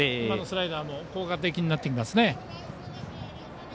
今のスライダーも効果的になってきますね。